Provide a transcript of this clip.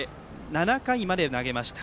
７回まで投げました。